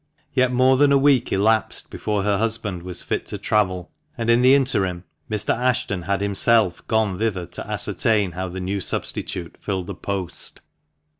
Yet more than a week elapsed before her husband was fit to travel, and in the interim Mr. Ashton had himself "WHITE HART" SIGN OK EASEL. gone thither to ascertain how the new substitute filled the post.